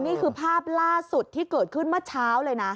นี่คือภาพล่าสุดที่เกิดขึ้นเมื่อเช้าเลยนะ